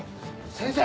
先生！